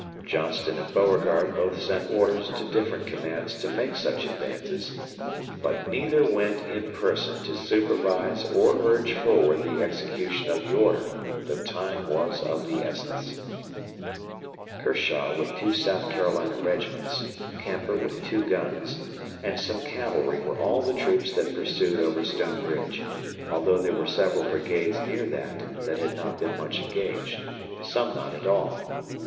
... Johnston and Beauregard both sent orders to different commands to make such advances, but neither went in person to supervise or urge forward the execution of the order, though time was of the essence. [The italics are Alexander's.] Kershaw with two South Carolina regiments, Kemper with two guns, and some cavalry were all the troops that pursued over Stone Bridge, although there were several brigades near that had not been much engaged some not at all.